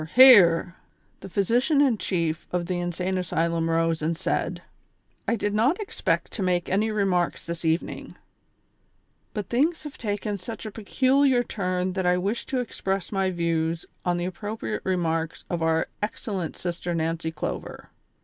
hear!" The physician in chief of the insane asylum rose and said :" I did not expect to make any remarks this evening, but things have taken such a peculiar turn that I wish to express my views on tlie appropriate remarks of our excellent Sister Nancy Clover.